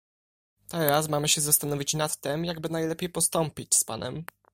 "Teraz mamy się zastanowić nad tem, jakby najlepiej postąpić z panem."